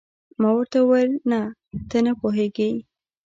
ما ورته وویل: نه، ته نه پوهېږې.